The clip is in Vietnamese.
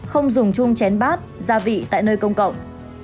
không dùng chung chén bát gia vị tại nơi công cộng